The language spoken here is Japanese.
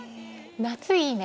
夏いいね。